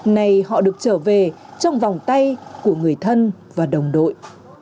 này họ được trở về trong vòng tay của người thân và đồng đội